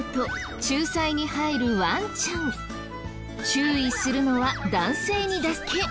注意するのは男性にだけ。